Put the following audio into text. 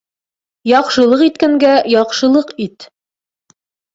Яҡшылыҡ иткәнгә яҡшылыҡ ит